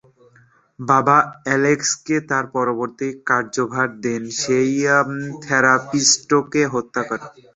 বাবা অ্যালেক্সকে তার পরবর্তী কার্যভার দেন: সেই থেরাপিস্টকে হত্যা করা।